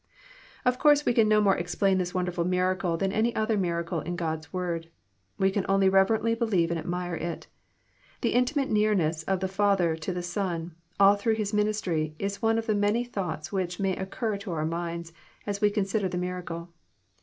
Of course we can no more explain this wonderfUl miracle than any other miracle in God's Word. We can only reverently believe and admire it. The intimate nearness of the Father to the Son, all through His ministry, is one of the many thoughts which may occur to our minds as we consider the miracle.